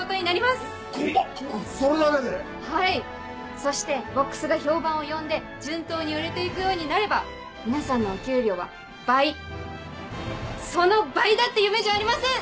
それだけで⁉はいそしてボックスが評判を呼んで順当に売れて行くようになれば皆さんのお給料は倍その倍だって夢じゃありません！